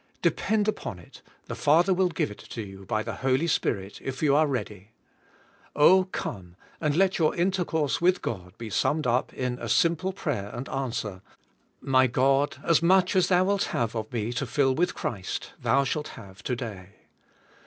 Depend upon it, the Father will give it to you by the Holy Spirit, if you are ready. Oh. come, and let your intercourse with God be summed up in a simple prayer and answer — "My God, as much as Thou wilt have of me to fill with Christ, Thou shalt have to~day."